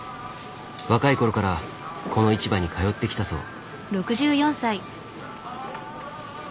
若い頃からこの市場に通ってきたそう。